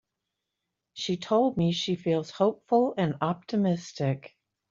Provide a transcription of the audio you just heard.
She told me she feels hopeful and optimistic.